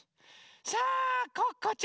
さあコッコちゃん！